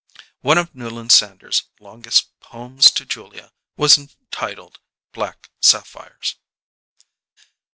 One of Newland Sanders's longest Poems to Julia was entitled "Black Sapphires."